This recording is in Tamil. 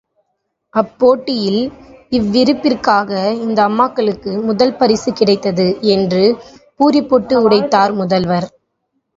அப்போட்டியில், இவ்விரிப்பிற்காக, இந்த அம்மாளுக்கு முதற் பரிசு கிடைத்தது என்று பூரிப்போடு உரைத்தார் முதல்வர்.